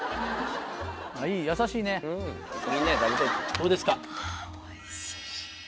どうですか？